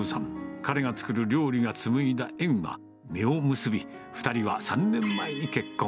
彼が作る料理が紡いだ縁は、実を結び、２人は３年前に結婚。